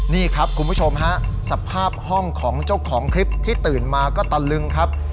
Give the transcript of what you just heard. นี่ครับคุณผู้ชมฮะสภาพห้องของเจ้าของคลิปที่ตื่นมาก็ตะลึงครับ